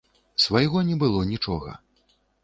Свайго не было нічога.